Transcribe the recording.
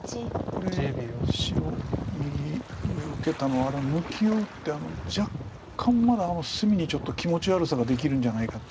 これ白右上受けたのはあれは抜きを打って若干まだ隅にちょっと気持ち悪さができるんじゃないかっていう。